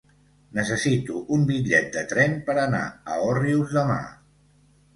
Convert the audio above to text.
Necessito un bitllet de tren per anar a Òrrius demà.